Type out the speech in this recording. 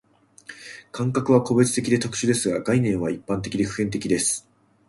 感覚は個別的で特殊ですが、概念は一般的で普遍的です。